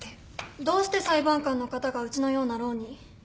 どうして裁判官の方がうちのようなローに？